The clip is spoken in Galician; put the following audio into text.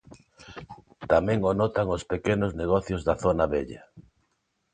Tamén o notan os pequenos negocios da zona vella.